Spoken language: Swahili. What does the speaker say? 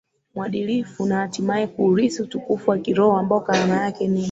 mwadilifu na hatimaye kuurithi utukufu wa kiroho ambao karama yake ni